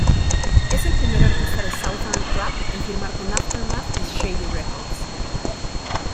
Es el primer artista de southern rap en firmar con Aftermath y Shady Records.